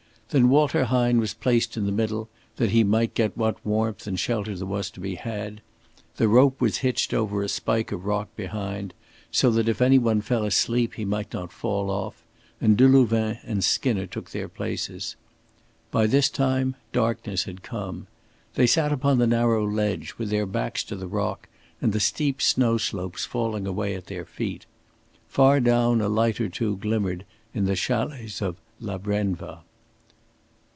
Then Walter Hine was placed in the middle that he might get what warmth and shelter was to be had, the rope was hitched over a spike of rock behind, so that if any one fell asleep he might not fall off, and Delouvain and Skinner took their places. By this time darkness had come. They sat upon the narrow ledge with their backs to the rock and the steep snow slopes falling away at their feet. Far down a light or two glimmered in the chalets of La Brenva.